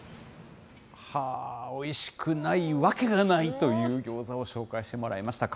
おいしくないわけがないというギョーザを紹介してもらいました。